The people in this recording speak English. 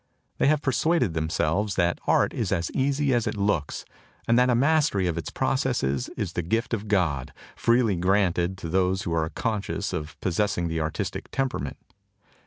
They have persuaded themselves that art is as easy as it looks and that a mastery of its processes is the gift of God, freely granted to those who are conscious of pos sessing the artistic temperament.